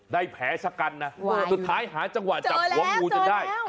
แผลชะกันนะสุดท้ายหาจังหวะจับหัวงูจนได้